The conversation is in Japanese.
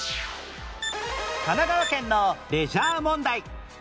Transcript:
神奈川県のレジャー問題